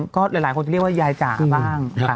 ก็หลายคนจะเรียกว่ายายจ๋าบ้าง